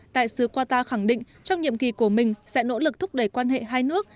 đại sứ qatar khẳng định trong nhiệm kỳ của mình sẽ nỗ lực thúc đẩy quan hệ hai nước